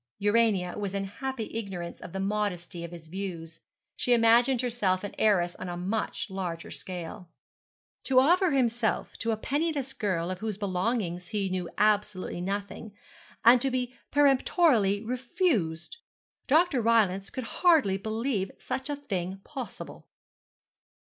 Urania was in happy ignorance of the modesty of his views. She imagined herself an heiress on a much larger scale. To offer himself to a penniless girl of whose belongings he knew absolutely nothing, and to be peremptorily refused! Dr. Rylance could hardly believe such a thing possible.